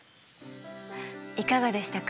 いかがでしたか？